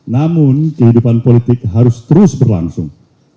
namun kehidupan politik harus terus berlangsung